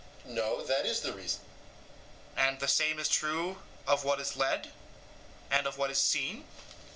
EUTHYPHRO: No; that is the reason. SOCRATES: And the same is true of what is led and of what is seen?